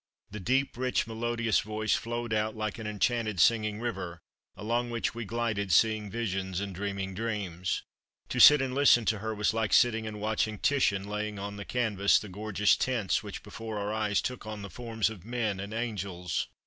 The deep, rich, melodious voice flowed out like an enchanted singing river, along which we glided seeing visions and dreaming dreams. To sit and listen to her was like sitting and watching Titian laying on the canvas the gorgeous tints which before our eyes took on the forms of men and angels.